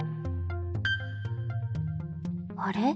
あれ？